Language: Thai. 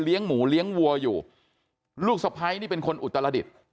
หมูเลี้ยงวัวอยู่ลูกสะพ้ายนี่เป็นคนอุตรดิษฐ์